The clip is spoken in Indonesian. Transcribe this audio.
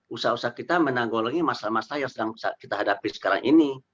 usaha usaha kita menanggulangi masalah masalah yang sedang kita hadapi sekarang ini